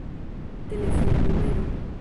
telefonnumero